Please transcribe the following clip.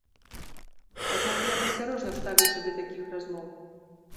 Аднак я б асцярожна ставіўся да такіх размоў.